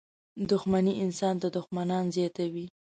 • دښمني انسان ته دښمنان زیاتوي.